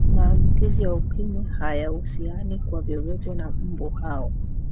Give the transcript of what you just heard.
mambukizi ya ukimwi hayahusiani kwa vyovyote na mbu hao